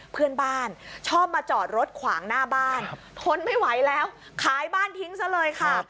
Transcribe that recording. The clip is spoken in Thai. เพื่อนบ้านชอบมาจอดรถขวางหน้าบ้านทนไม่ไหวแล้วขายบ้านทิ้งซะเลยค่ะ